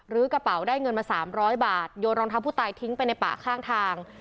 กระเป๋าได้เงินมา๓๐๐บาทโยนรองเท้าผู้ตายทิ้งไปในป่าข้างทาง